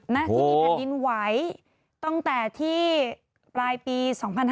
ณที่มีแผ่นดินไหวตั้งแต่ที่ปลายปี๒๕๕๙